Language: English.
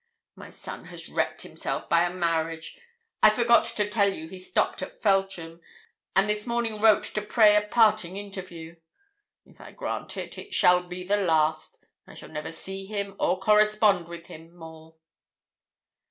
My son has wrecked himself by a marriage. I forgot to tell you he stopped at Feltram, and this morning wrote to pray a parting interview. If I grant it, it shall be the last. I shall never see him or correspond with him more.'